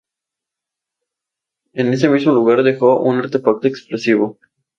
En ese mismo lugar, dejo un artefacto explosivo más.